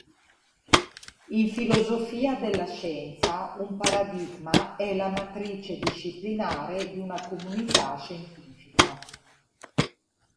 In filosofia della scienza un paradigma è la matrice disciplinare di una comunità scientifica.